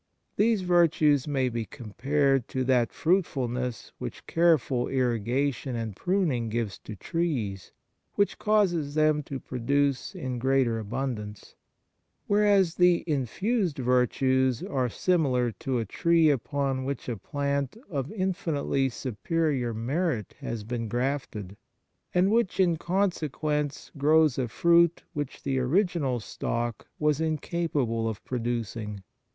These virtues may be compared to that fruitfulness which careful irrigation and pruning gives to trees, which causes them to produce in greater abundance ; whereas the infused virtues are similar to a tree upon which a plant of infinitely superior merit has been grafted, and which in con sequence grows a fruit which the original stock was incapable of producing.